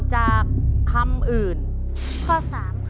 ตัวเลือดที่๓๕๑